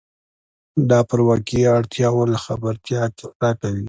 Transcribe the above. دا پر واقعي اړتیاوو له خبرتیا کیسه کوي.